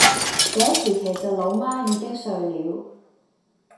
這時其實老媽已經睡了